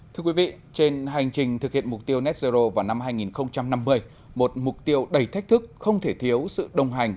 thưa quý vị trên hành trình thực hiện mục tiêu net zero vào năm hai nghìn năm mươi một mục tiêu đầy thách thức không thể thiếu sự đồng hành